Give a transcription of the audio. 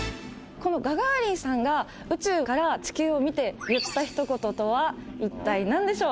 このガガーリンさんが宇宙から地球を見て言ったひと言とは一体何でしょう？